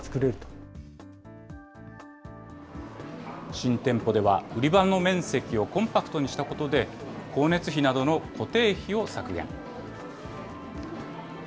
新店舗では、売り場の面積をコンパクトにしたことで、光熱費などの固定費を削減。